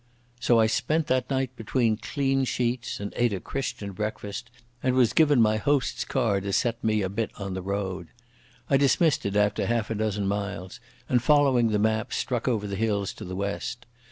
So I spent that night between clean sheets, and ate a Christian breakfast, and was given my host's car to set me a bit on the road. I dismissed it after half a dozen miles, and, following the map, struck over the hills to the west.